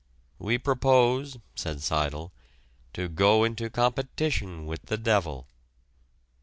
"We propose," said Seidel, "to go into competition with the devil."